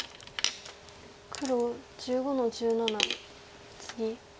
黒１５の十七ツギ。